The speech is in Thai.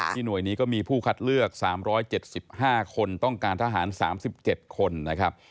หน่วยนี้ก็มีผู้คัดเลือก๓๗๕คนต้องการทหาร๓๗คนนะครับ